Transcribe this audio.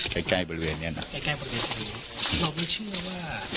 ใกล้ใกล้บริเวณเนี้ยนะใกล้ใกล้บริเวณตรงนี้เราไม่เชื่อว่า